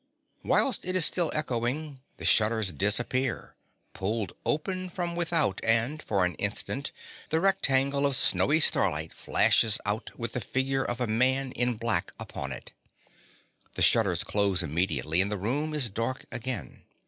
Whilst it is still echoing, the shutters disappear, pulled open from without, and for an instant the rectangle of snowy starlight flashes out with the figure of a man in black upon it. The shutters close immediately and the room is dark again.